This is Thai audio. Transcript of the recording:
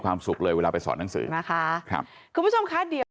ความสุขเลยเวลาไปสอนหนังสือนะคะครับคุณผู้ชมค่ะ